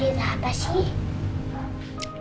berita apa sih